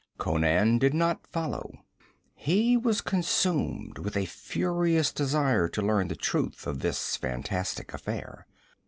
Conan did not follow. He was consumed with a furious desire to learn the truth of this fantastic affair.